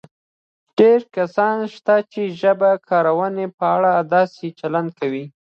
ډېر کسان شته چې د ژبې د کارونې په اړه داسې چلند کوي